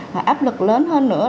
và áp lực lớn hơn nữa